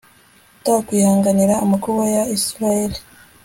utakwihanganira amakuba ya israheli